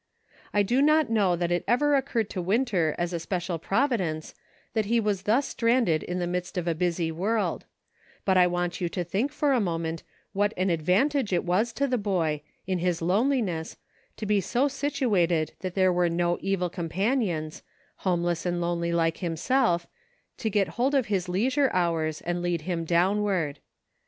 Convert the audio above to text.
I do not know that it ever occurred to Winter as a special providence that he was thus stranded in the midst of a busy world ; but I want you to think for a moment what an advantage it was to the boy, in his loneli ness, to be so situated that there were no evil com panions, homeless and lonely like himself, to get hold of his leisure hours and lead him downward.